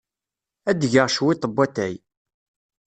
Ad d-geɣ cwiṭ n watay.